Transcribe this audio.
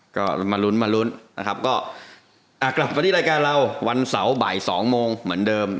ก็มารุ้นก็กลับมาที่รายการเราวันเสาร์บ่าย๒โมงเหมือนเดิม